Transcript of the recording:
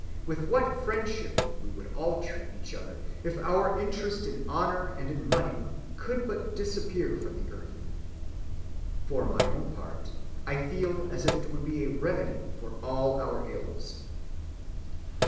With what friendship we would all treat each other if our interest in honor and in money could but disappear from earth! For my own part, I feel as if it would be a remedy for all our ills."